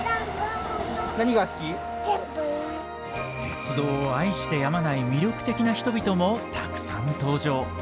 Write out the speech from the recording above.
鉄道を愛してやまない魅力的な人々もたくさん登場。